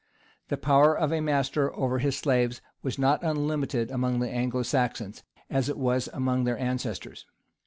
The power of a master over his slaves was not unlimited among the Anglo Saxons, as it was among their ancestors.